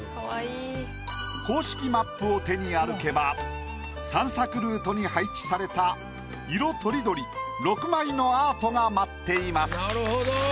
公式マップを手に歩けば散策ルートに配置された色とりどり６枚のアートが待っています。